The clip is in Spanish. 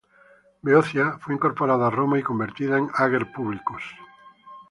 Beocia fue incorporada a Roma y convertida en "ager publicus".